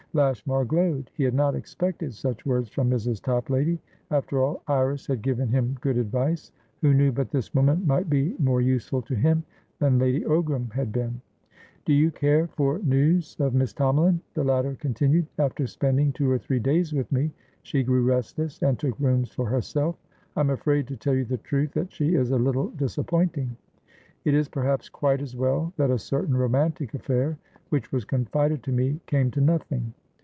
Lashmar glowed. He had not expected such words from Mrs. Toplady. After all, Iris had given him good advice. Who knew but this woman might be more useful to him than Lady Ogram had been? "Do you care for news of Miss Tomalin?" the latter continued. "After spending two or three days with me, she grew restless, and took rooms for herself. I am afraid, to tell you the truth, that she is a little disappointing; it is perhaps quite as well that a certain romantic affair which was confided to me came to nothing.